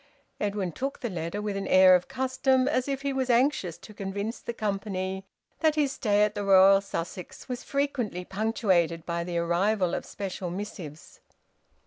Edwin took the letter with an air of custom, as if he was anxious to convince the company that his stay at the Royal Sussex was frequently punctuated by the arrival of special missives.